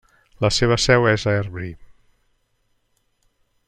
La seva seu és a Évry.